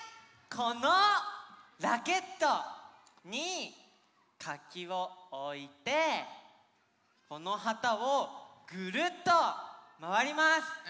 このラケットにかきをおいてこのはたをぐるっとまわります。